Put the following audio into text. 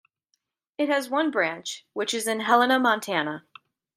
It has one branch, which is in Helena, Montana.